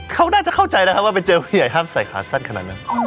เขาน่าจะเข้าใจแล้วครับว่าไปเจอผู้ใหญ่ห้ามใส่ขาสั้นขนาดนั้น